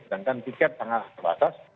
sedangkan tiket tengah kebatas